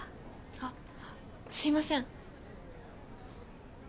あっすいません。